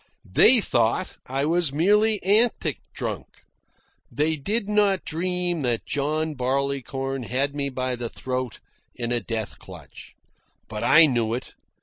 They thought I was merely antic drunk. They did not dream that John Barleycorn had me by the throat in a death clutch. But I knew it.